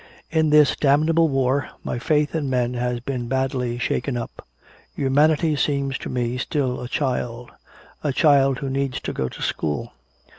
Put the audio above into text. In this damnable war my faith in men has been badly shaken up. Humanity seems to me still a child a child who needs to go to school.